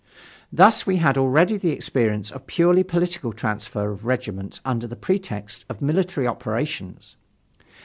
Thus we had already the experience of purely political transfer of regiments under the pretext of military operations.